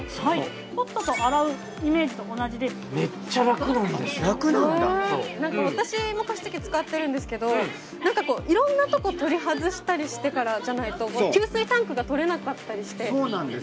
ポットと洗うイメージと同じでめっちゃ楽なんですよ楽なんだ私も加湿器使ってるんですけどいろんなとこ取り外したりしてからじゃないと給水タンクが取れなかったりしてそうなんです